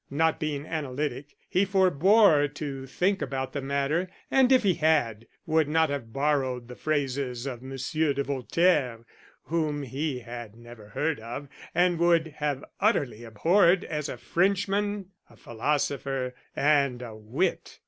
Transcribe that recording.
Not being analytic, he forbore to think about the matter; and if he had, would not have borrowed the phrases of M. de Voltaire, whom he had never heard of, and would have utterly abhorred as a Frenchman, a philosopher, and a wit.